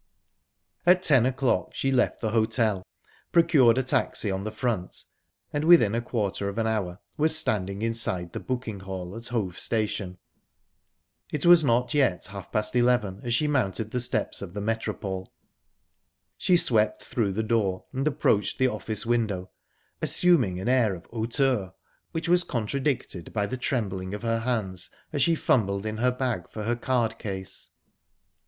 At ten o'clock she left the hotel, procured a taxi on the front, and within a quarter of an hour was standing inside the booking hall at Hove Station. It was not yet half past eleven as she mounted the steps of the Metropole. She swept through the door, and approached the office window, assuming an air of hauteur which was contradicted by the trembling of her hands, as she fumbled in her bag for her card case.